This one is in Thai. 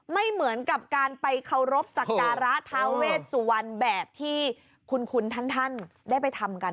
ไม่เหมือนกับการไปเคารพสักการะท้าเวชสุวรรณแบบที่คุณท่านได้ไปทำกัน